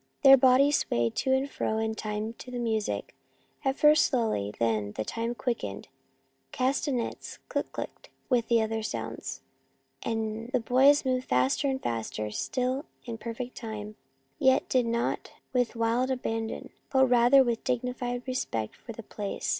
Their bodies swayed to and fro in time to the music, at first slowly, then, as the time quickened, castanets click clicked with the other sounds, and the boys moved faster and faster, still in perfect time, yet not with wild abandon, but rather with dignified respect for the place.